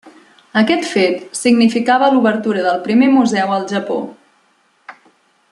Aquest fet, significava l'obertura del primer museu al Japó.